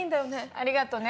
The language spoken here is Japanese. ありがとね。